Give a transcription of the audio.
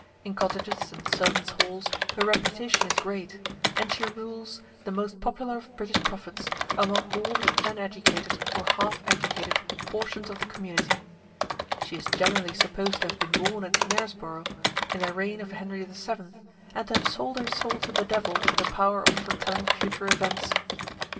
In cottages and servants' halls her reputation is great; and she rules, the most popular of British prophets, among all the uneducated, or half educated, portions of the community. She is generally supposed to have been born at Knaresborough, in the reign of Henry VII., and to have sold her soul to the Devil for the power of foretelling future events.